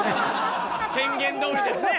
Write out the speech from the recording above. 宣言どおりですね。